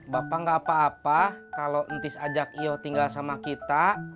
bapak gak apa apa kalau entis ajak io tinggal sama kita